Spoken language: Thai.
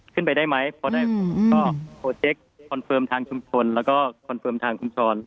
ขึ้นไปได้ไหมพอได้ก็โปรเจคคอนเฟิร์มทางชุมชนแล้วก็คอนเฟิร์มทางชุมชน